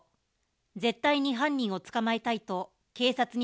絶対に犯人を捕まえたいと警察に